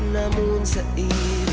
namun ta ibu